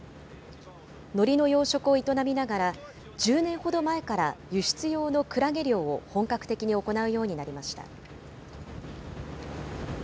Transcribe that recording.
のりの養殖を営みながら、１０年ほど前から輸出用のクラゲ漁を本格的に行うようになりました。